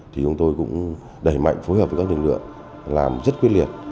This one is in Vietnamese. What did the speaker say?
thì chúng tôi cũng đẩy mạnh phối hợp với các lực lượng làm rất quyết liệt